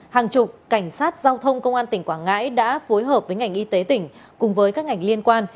hàng chục cảnh sát giao thông công an tỉnh quảng ngãi đã phối hợp với ngành y tế tỉnh cùng với các ngành liên quan